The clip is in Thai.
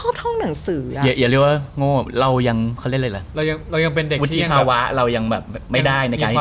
เพราะเราเพิ่งเปิดแล้ว